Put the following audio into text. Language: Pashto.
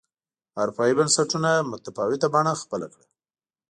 اروپايي بنسټونو متفاوته بڼه خپله کړه.